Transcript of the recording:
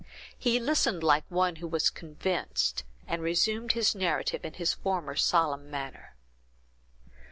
He listened like one who was convinced, and resumed his narrative in his former solemn manner.